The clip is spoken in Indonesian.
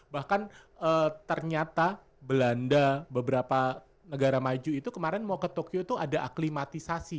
bahkan ternyata belanda beberapa negara maju itu kemarin mau ke tokyo itu ada aklimatisasi